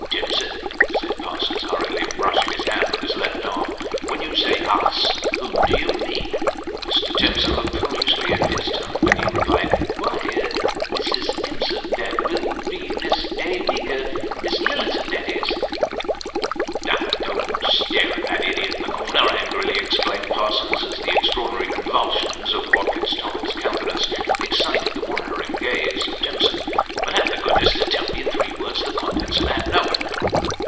" Timson," said Parsons, hurriedly brushing his hat with his left arm, " when you say ' us,' whom do you mean '?" Mr. Timson looked foolish in his turn, when he replied, " Why o . A 354 Sketches by Boz. Mrs. Timson that will be this day week: Miss Lillerton that is " "Now don't stare at that idiot in the corner," angrily exclaimed Parsons, as the extraordinary convulsions of Watkins Tottle's counte nance excited the wondering gaze of Timson, " but have the goodness to tell me in three words the contents of that note."